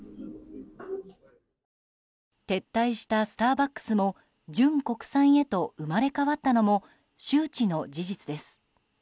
撤退したスターバックスも純国産へと生まれ変わったのも周知の事実です。